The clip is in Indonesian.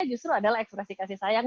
justru adalah ekspresi kasih sayang